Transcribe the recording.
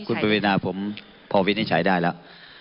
คุณปวีนาผมพอวินิจฉัยได้แล้ว